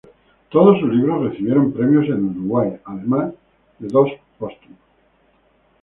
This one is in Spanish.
Todos sus libros recibieron premios en Uruguay, además de dos póstumos.